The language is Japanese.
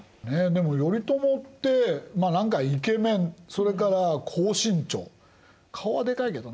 でも頼朝ってまあ何かイケメンそれから高身長顔はでかいけどな。